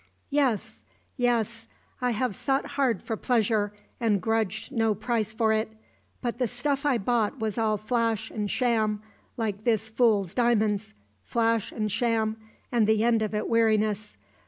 "Yes, yes. I have sought hard for pleasure and grudged no price for it; but the stuff I bought was all flash and sham like this fool's diamonds flash and sham, and the end of it weariness.